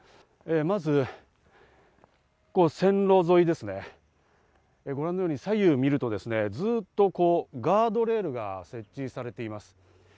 まず線路沿いですね、左右を見るとですね、ずっとガードレールが設置されています。